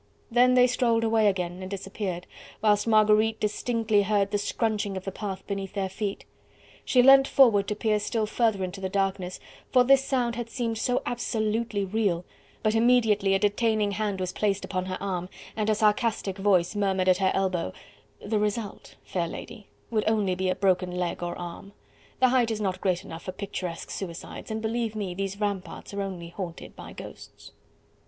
Then they strolled away again and disappeared, whilst Marguerite distinctly heard the scrunching of the path beneath their feet. She leant forward to peer still further into the darkness, for this sound had seemed so absolutely real, but immediately a detaining hand was place upon her arm and a sarcastic voice murmured at her elbow: "The result, fair lady, would only be a broken leg or arm; the height is not great enough for picturesque suicides, and believe me these ramparts are only haunted by ghosts."